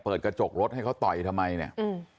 เปิดกระจกรถให้เขาต่อยทำไมเนี่ยอืม